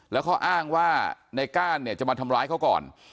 แล้วเขาอ้างว่าในก้านเนี่ยจะมาทำร้ายเขาก่อน